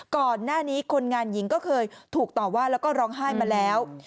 ก่อนหน้านี้คนงานหญิงก็เคยถูกต่อว่าแล้วก็ร้องไห้มาแล้ว